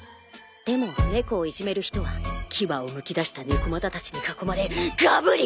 でも猫をいじめる人は牙をむき出した猫又たちに囲まれガブリ！